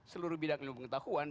seluruh bidang ilmu pengetahuan